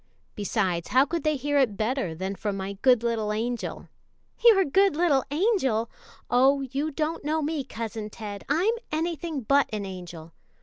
Besides, how could they hear it better than from my good little angel?" "Your good little angel! Oh, you don't know me, Cousin Ted! I'm anything but an angel.